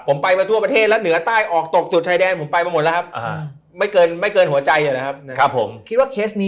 ผมไปทั่วประเทศและเหนือใต้ออกตกสุดไทยแดนไปมาหมดแล้วครับ